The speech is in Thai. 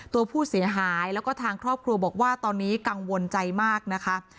ตัวผู้เสียหายแล้วก็ทางครอบครัวบอกว่าตอนนี้กังวลใจมากนะคะ